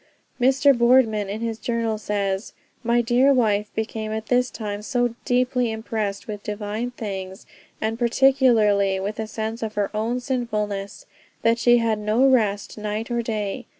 Mr. Boardman in his journal says, "My dear wife became at this time so deeply impressed with divine things, and particularly with a sense of her own sinfulness, that she had no rest night or day.